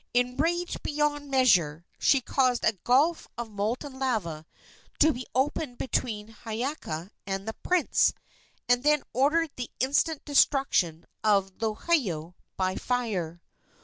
Enraged beyond measure, she caused a gulf of molten lava to be opened between Hiiaka and the prince, and then ordered the instant destruction of Lohiau by fire.